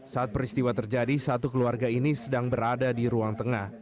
saat peristiwa terjadi satu keluarga ini sedang berada di ruang tengah